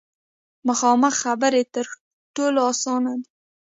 مخامخ خبرې تر ټولو اسانه دي.